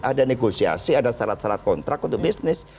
ada negosiasi ada syarat syarat kontrak untuk bisnis